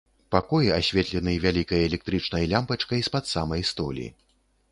Пакой асветлены вялікай электрычнай лямпачкай з-пад самай столі.